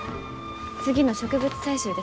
次の植物採集ですか？